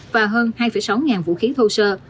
và hơn hai sáu ngàn vũ khí thu sơ